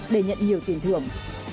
để nhận nhiều tiền thưởng